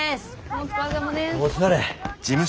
お疲れ。